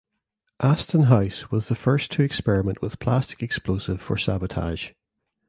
Aston House was the first to experiment with plastic explosive for sabotage.